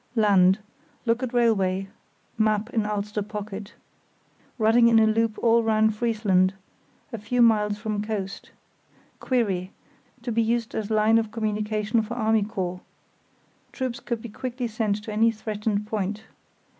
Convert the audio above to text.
Land—Look at railway (map in ulster pocket) running in a loop all round Friesland, a few miles from coast. Querry: To be used as line of communication for army corps. Troops could be quickly sent to any threatened point.